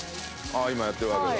今やってるわけだ。